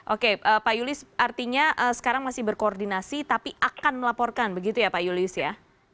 oke pak julius artinya sekarang masih berkoordinasi tapi akan melaporkan begitu ya pak julius ya